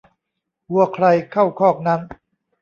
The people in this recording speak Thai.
วัวใครเข้าคอกนั้น